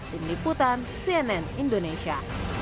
tim liputan cnn indonesia